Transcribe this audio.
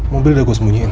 mobil udah gue sembunyiin